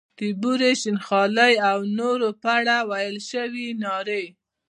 د بورې، شین خالۍ او نورو په اړه ویل شوې نارې.